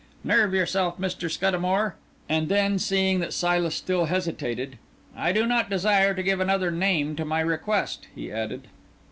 Nerve yourself, Mr. Scuddamore," and then, seeing that Silas still hesitated, "I do not desire to give another name to my request," he added.